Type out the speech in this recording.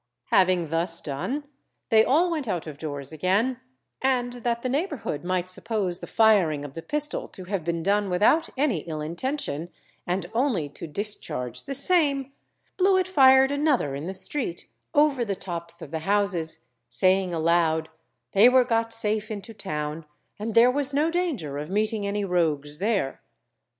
Having thus done, they all went out of doors again, and that the neighbourhood might suppose the firing of the pistol to have been done without any ill intention, and only to discharge the same, Blewitt fired another in the street over the tops of the houses, saying aloud, they were got safe into town and there was no danger of meeting any rogues there.